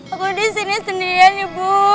aku disini sendirian ibu